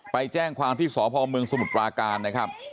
ไปแจ้งความที่สพเมืองสมุทรปราการนะครับ